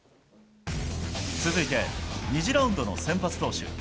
続いて２次ラウンドの先発投手。